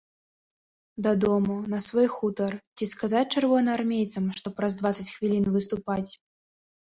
Дадому, на свой хутар, ці сказаць чырвонаармейцам, што праз дваццаць хвілін выступаць?